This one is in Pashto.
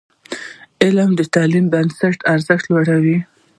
علم د تعلیمي بنسټونو ارزښت لوړوي.